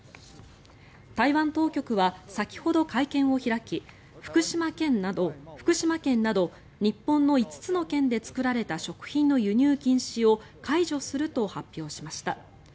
台湾当局は先ほど、会見を開き福島県など日本の５つの県で作られた食品の輸入禁止を解除すると発表しました。